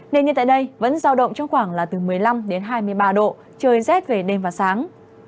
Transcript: nền nhiệt tại đây vẫn giao động trong khoảng là từ một mươi năm đến hai mươi ba độ trời rét về đêm và sáng